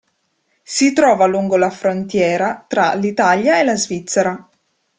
Si trova lungo la frontiera tra l'Italia e la Svizzera.